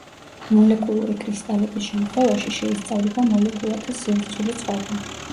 მოლეკულური კრისტალების შემთხვევაში შეისწავლება მოლეკულათა სივრცული წყობა.